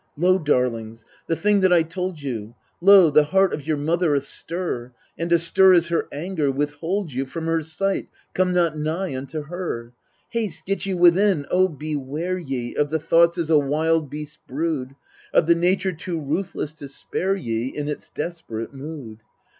Lo, darlings, the thing that I told you ! Lo the heart of your mother astir ! And astir is her anger : withhold you From her sight, come not nigh unto her. Haste, get you within : O beware ye Of the thoughts as a wild beast brood, Of the nature too ruthless to spare ye In its desperate mood.